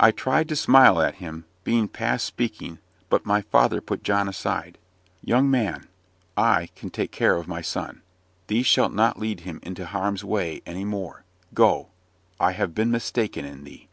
I tried to smile at him, being past speaking but my father put John aside. "Young man, I can take care of my son. Thee shalt not lead him into harm's way any more. Go I have been mistaken in thee!"